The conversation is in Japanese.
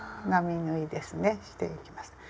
並縫いですねしていきます。